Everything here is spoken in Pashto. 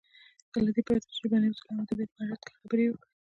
له دې پرته چې ژبني اصول او ادبيات مراعت کړي خبرې يې وکړې.